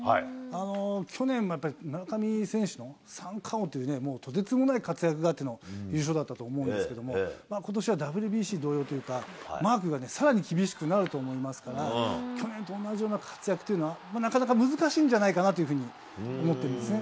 去年もやっぱり村上選手の三冠王というね、とてつもない活躍があっての優勝だったと思うんですけども、ことしはＷＢＣ同様というか、マークがさらに厳しくなると思いますから、去年と同じような活躍というのは、なかなか難しいんじゃないかなというふうに思っているんですね。